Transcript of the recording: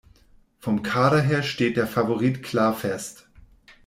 Vom Kader her steht der Favorit klar fest.